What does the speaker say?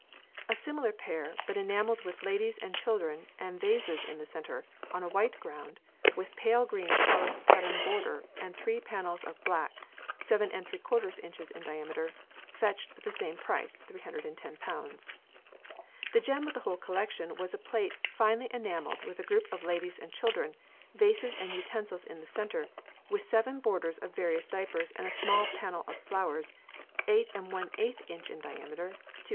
A similar pair, but enamelled with ladies and children and vases in the centre, on a white ground, with pale green trellis pattern border, and three panels of black, 7┬Š in. in diameter, fetched the same price, ┬Ż310. The gem of the whole collection was a plate, finely enamelled with a group of ladies and children, vases and utensils in the centre, with seven borders of various diapers and small panel of flowers, 8Ōģø in. in diameter, ┬Ż280.